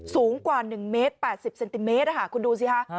สูงกว่า๑เมตร๘๐เซนติเมตรคุณดูสิคะ